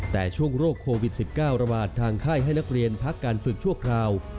แต่ช่วงโรคโควิด๑๙ระบาดทางค่ายให้นักเรียนพักการฝึกชั่วคราว